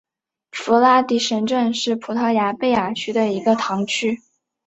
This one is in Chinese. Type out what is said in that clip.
弗拉迪什镇是葡萄牙贝雅区的一个堂区。